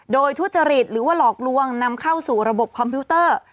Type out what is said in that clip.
โดยทุจริตหรือว่าหลอกลวงนำเข้าสู่ระบบคอมพิวเตอร์